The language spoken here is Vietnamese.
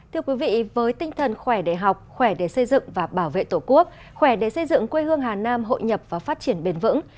thưa quý vị với tinh thần khỏe để học khỏe để xây dựng và bảo vệ tổ quốc khỏe để xây dựng quê hương hà nam hội nhập và phát triển bền vững